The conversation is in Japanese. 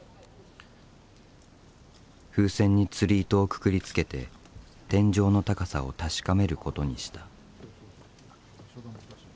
風船につり糸をくくりつけて天井の高さを確かめることにした。